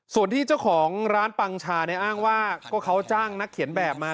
ส่วนที่เจ้าของร้านปังชาเนี่ยอ้างว่าก็เขาจ้างนักเขียนแบบมา